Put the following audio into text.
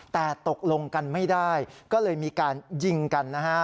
แต่ตกลงกันไม่ได้ก็เลยมีการยิงกันนะฮะ